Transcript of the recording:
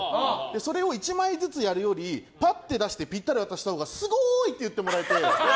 それを１枚ずつやるよりぱっと出してぴったり渡したほうがすごい！って言ってもらえて。